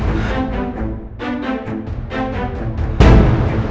justru elsa yang mau hilang